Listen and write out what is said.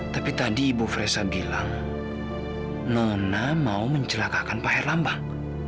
tapi tadi ibu fresa bilang nona mau mencelakakan pak erlambang